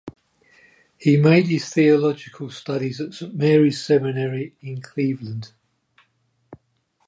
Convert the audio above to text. He made his theological studies at Saint Mary's Seminary in Cleveland.